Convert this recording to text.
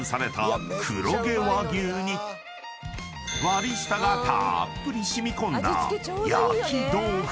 ［割下がたーっぷり染み込んだ］